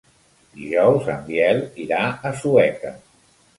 Dijous en Biel irà a Sueca.